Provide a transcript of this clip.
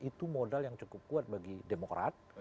itu modal yang cukup kuat bagi demokrat